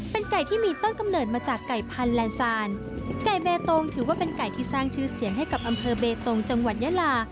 เป็นไก่ที่มีต้นกำเนิดมาจากไก่พันธแลนดซานไก่เบตงถือว่าเป็นไก่ที่สร้างชื่อเสียงให้กับอำเภอเบตงจังหวัดยาลา